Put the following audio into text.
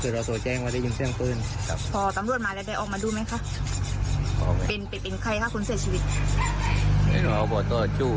พอตำรวจมาแล้วได้ออกมาดูไหมคะเป็นเป็นใครคะคุณเสียชีวิต